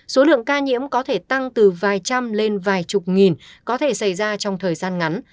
số lượng ca nhiễm có thể tăng từ vài trăm lên vài chục nghìn có thể xảy ra trong thời gian ngắn